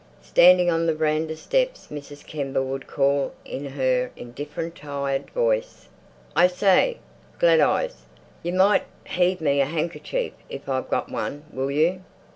Standing on the veranda steps Mrs. Kember would call in her indifferent, tired voice, "I say, Glad eyes, you might heave me a handkerchief if I've got one, will you?"